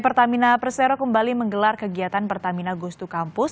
pt pertamina persero kembali menggelar kegiatan pertamina goes to campus